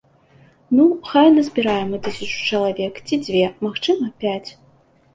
Ну, хай назбіраем мы тысячу чалавек, ці дзве, магчыма пяць.